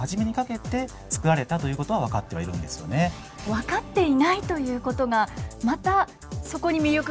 分かっていないということがまたそこに魅力がありますね。